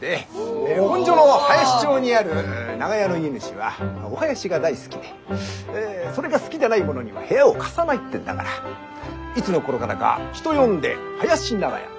本所の林町にある長屋の家主はお囃子が大好きでそれが好きでない者には部屋を貸さないってんだからいつの頃からか人呼んで「囃子長屋」。